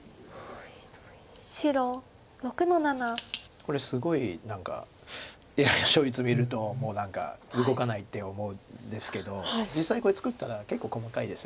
これすごい何かＡＩの勝率見るともう何か動かないって思うんですけど実際これ作ったら結構細かいです。